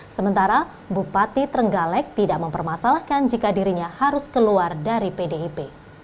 sementara bupati trenggalek tidak mempermasalahkan jika dirinya harus keluar dari pdip